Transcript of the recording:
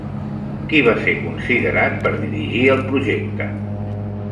Qui va ser considerat per dirigir el projecte?